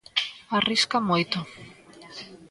Arrisca moito.